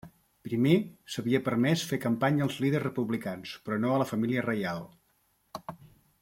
Primer, s'havia permès fer campanya als líders republicans però no a la família reial.